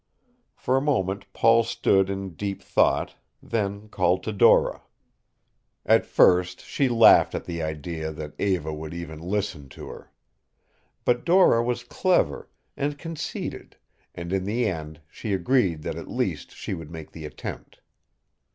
For a moment Paul stood in deep thought, then called to Dora. At first she laughed at the idea that Eva would even listen to her. But Dora was clever and conceited and in the end she agreed that at least she would make the attempt.